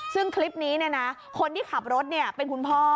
ซึ่งคลิปนี้คนที่ขับรถเป็นคุณพ่อ